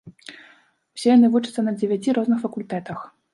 Усе яны вучацца на дзевяці розных факультэтах.